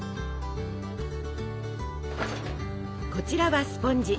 こちらはスポンジ。